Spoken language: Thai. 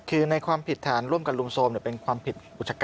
คือในความผิดฐานร่วมกันลุมโทรมเป็นความผิดอุจกรรม